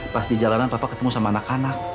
pas di jalanan papa ketemu sama anak anak